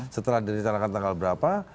setelah direncanakan tanggal berapa